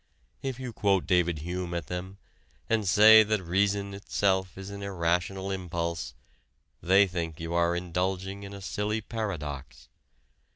If you quote David Hume at them, and say that reason itself is an irrational impulse they think you are indulging in a silly paradox.